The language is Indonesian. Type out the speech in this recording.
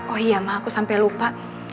oh iya mah aku sampai lupa